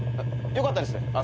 よかったですね。